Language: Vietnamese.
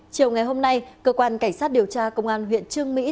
chiều ngày hôm nay cơ quan cảnh sát điều tra công an huyện trương mỹ